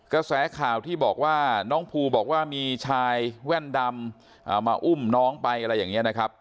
กระแสข่าวที่บอกว่าน้องภูบอกว่ามีชายแว่นดำมาอุ้มน้องไปอะไรอย่างนี้นะครับ